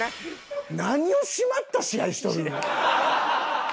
何を締まった試合しとる！